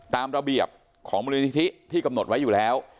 ตามระเบียบของมูลนิธิที่กำหนดไว้อยู่แล้ว